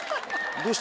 どうした？